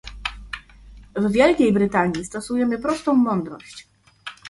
W Wielkiej Brytanii stosujemy prostą mądrość